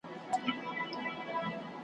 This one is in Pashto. دفترونه هره ورځ پرانیستل کېږي.